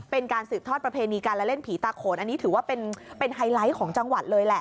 เป็นการสืบทอดประเพณีการละเล่นผีตาโขนอันนี้ถือว่าเป็นไฮไลท์ของจังหวัดเลยแหละ